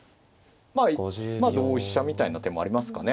まあ同飛車みたいな手もありますかね。